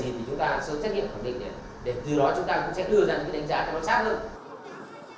thì chúng ta sẽ xét nghiệm khẳng định để từ đó chúng ta cũng sẽ đưa ra những cái đánh giá cho nó sát được